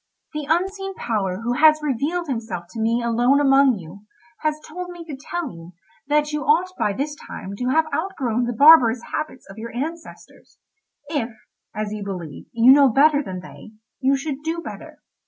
"The unseen power who has revealed himself to me alone among you, has told me to tell you that you ought by this time to have outgrown the barbarous habits of your ancestors. If, as you believe, you know better than they, you should do better.